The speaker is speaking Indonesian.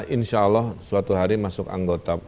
insya allah suatu hari masuk anggota